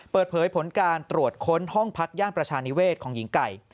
เปิดเผยผลการตรวจค้นห้องพักย่านประชานิเวศของหญิงไก่